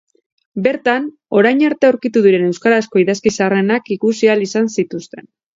Bertan orain arte aurkitu diren euskarazko idazki zaharrenak ikusi ahal izan zituzten.